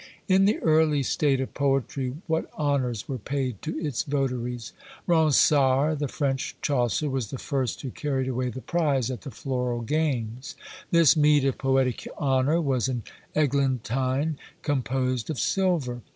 In the early state of poetry what honours were paid to its votaries! Ronsard, the French Chaucer, was the first who carried away the prize at the Floral Games. This meed of poetic honour was an eglantine composed of silver.